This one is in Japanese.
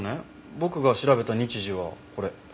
僕が調べた日時はこれ。